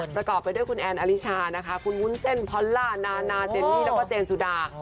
ประกอบไปด้วยคุณแอนอลิชานะคะคุณวุ้นเส้นพอลล่านานาเจนนี่แล้วก็เจนสุดา